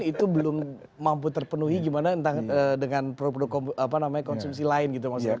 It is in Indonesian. itu belum mampu terpenuhi gimana dengan produk produk konsumsi lain gitu maksudnya